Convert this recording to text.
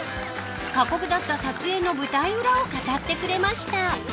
過酷だった撮影の舞台裏を語ってくれました。